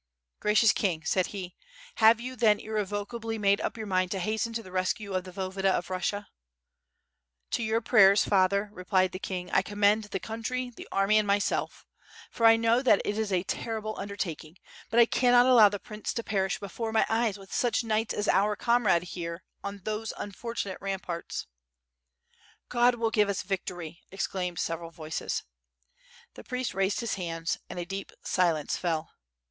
"Gracious King," said he, 'Tiave you then irrevocably made up your mind to hasten to the rescue of the Voyevoda of Russia ?*' "To your prayers, Father," replied the king, '1 commend the country, the army, and myself, for I know that it is a terrible undertaking; but I cannot allow the prince to perish before my eyes with such knights as our comrade here, on those unfortunate ramparts." "God will give us victory," exclaimed several voices. The priest raised his hands and a deep silence fell.